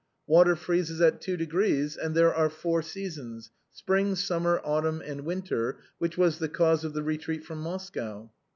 Water freezes at two degrees, and there are four seasons, spring, summer, autumn and winter^ which was the cause of the retreat from Moscow."